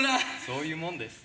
そういうものです。